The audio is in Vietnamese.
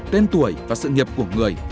tên tuổi và sự nghiệp của người